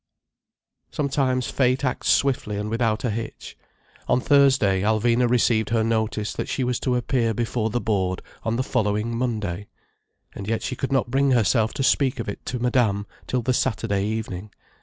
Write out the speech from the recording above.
Sometimes fate acts swiftly and without a hitch. On Thursday Alvina received her notice that she was to appear before the Board on the following Monday. And yet she could not bring herself to speak of it to Madame till the Saturday evening.